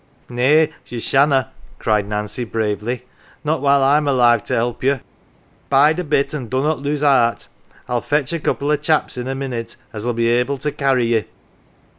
" Nay, ye shanna !" cried Nancy, bravely. " Not while I'm alive to help you. Bide a bit an 1 dunnot lose "cart. I'll fetch a couple o' chaps in a minute as'll be able to carry ye."